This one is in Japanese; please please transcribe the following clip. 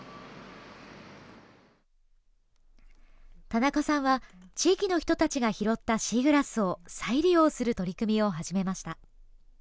田中さんは地域の人たちが拾ったシーグラスを再利用する取り組みを始めました。